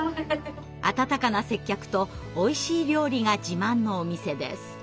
温かな接客とおいしい料理が自慢のお店です。